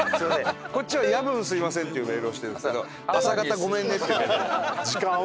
こっちは「夜分すみません」っていうメールをしてるんですけど「朝方ごめんね」っていう。